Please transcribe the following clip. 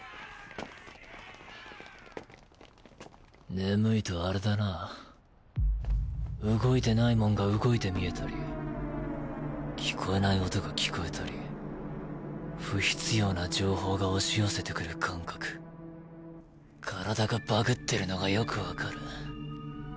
眠いとアレだなぁ動いてないモンが動いて見えたり聞こえない音が聞こえたり不必要な情報が押し寄せてくる感覚体がバグってるのがよくわかる。